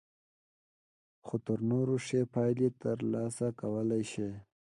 خو تر نورو ښې پايلې ترلاسه کولای شئ.